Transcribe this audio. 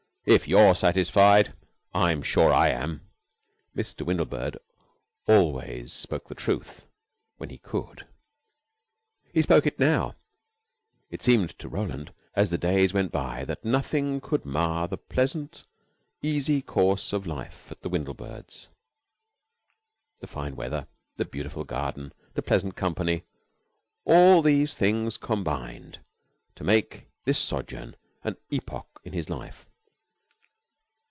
If you're satisfied, I'm sure I am." Mr. Windlebird always spoke the truth when he could. He spoke it now. It seemed to Roland, as the days went by, that nothing could mar the pleasant, easy course of life at the Windlebirds. The fine weather, the beautiful garden, the pleasant company all these things combined to make this sojourn an epoch in his life.